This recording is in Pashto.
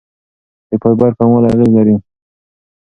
د فایبر کموالی اغېز لري.